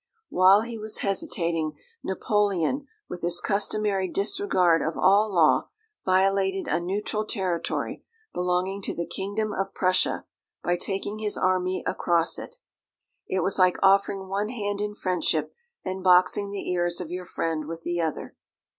While he was hesitating, Napoleon, with his customary disregard of all law, violated a neutral territory, belonging to the Kingdom of Prussia, by taking his army across it. It was like offering one hand in friendship, and boxing the ears of your friend with the other.